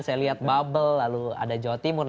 saya lihat babel lalu ada jawa timur